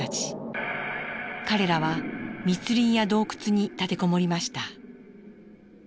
彼らは密林や洞窟に立て籠もりました。